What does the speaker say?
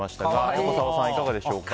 横澤さん、いかがでしょうか。